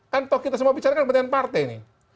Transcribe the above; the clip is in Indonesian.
kan kita semua bicarakan kepentingan partai ini